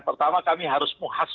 pertama kami harus menghakimi